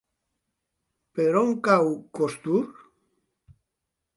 Per on cau Costur?